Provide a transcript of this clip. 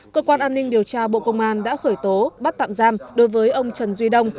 cơ quan an ninh điều tra bộ công an đã khởi tố bắt tạm giam đối với ông trần duy đông